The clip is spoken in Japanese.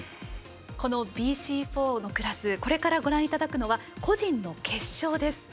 ＢＣ４のクラスこれからご覧いただくのは個人の決勝です。